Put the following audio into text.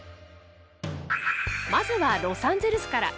まずはロサンゼルスから。